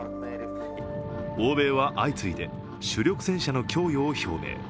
欧米は相次いで主力戦車の供与を表明。